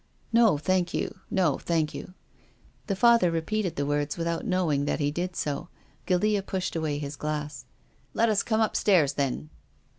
" No, thank you ; no, thank you." The Father repeated the words without know ing that he did so. Guildea pushed aw; iy his glass. " Let us come upstairs, then."